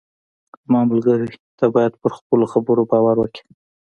زما ملګری، ته باید پر خپلو خبرو باور وکړې.